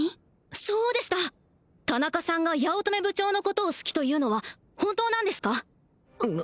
そうでした田中さんが八乙女部長のことを好きというのは本当なんですか？